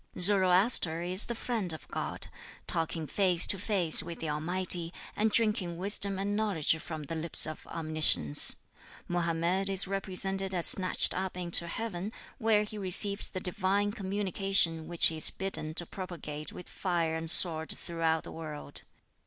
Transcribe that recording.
Zoroaster is the friend of God, talking face to face with the Almighty, and drinking wisdom and knowledge from the lips of Omniscience. Mohammed is represented as snatched up into heaven, where he receives the Divine communication which he is bidden to propagate with fire and sword throughout the world.